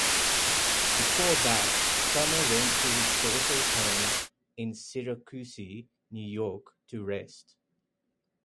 Before that, Sumner went to his daughter's home in Syracuse, New York, to rest.